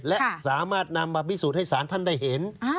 และสามารถนำมาพิสูจน์ให้สารท่านได้เห็น